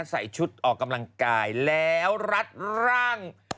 ใส่ชุดออกกำลังกายแล้วรัดร่าง